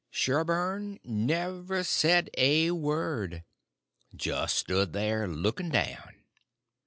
Sherburn never said a word—just stood there, looking down.